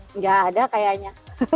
enggak ada kayaknya